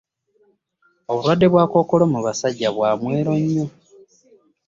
Obulwadde bwa kkookolo mu basajja bwa mwero nnyo.